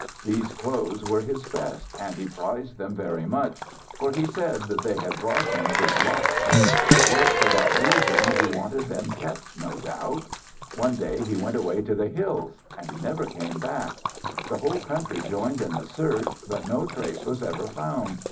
These clothes were his best and he prized them very much, for he said that they had brought him 'good luck.' It was for that reason he wanted them kept, no doubt. One day he went away to the hills and he never came back. The whole country joined in the search but no trace was ever found.